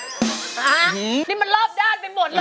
อันนี้มันรอบด้านไปหมดเลย